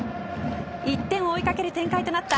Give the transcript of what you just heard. １点を追いかける展開となった